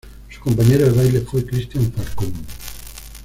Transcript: Su compañero de baile fue Cristian Falcón.